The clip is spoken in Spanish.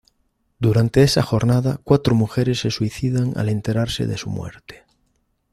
Durante esa jornada cuatro mujeres se suicidan al enterarse de su muerte.